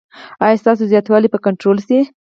ایا ستاسو زیاتوالی به کنټرول شي؟